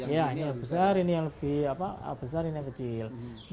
iya ini yang lebih besar ini yang lebih besar ini yang lebih kecil